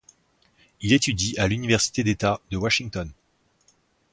Il étudie à l'université d'État de Washington.